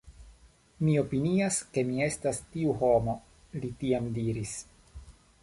Mi opinias ke mi estas tiu homo, li tiam diris.